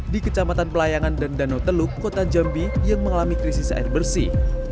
di kecamatan pelayangan dan danau teluk kota jambi yang mengalami krisis air bersih